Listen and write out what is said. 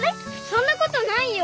そんなことないよ。